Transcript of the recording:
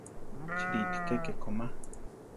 Chyíriti keke komá?